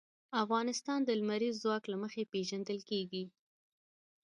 افغانستان د لمریز ځواک له مخې پېژندل کېږي.